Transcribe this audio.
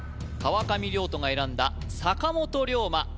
川上諒人が選んだ坂本龍馬